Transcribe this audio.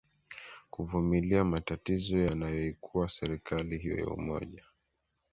kuvumiliaa matatizo yanayoikumba serikali hiyo ya umoja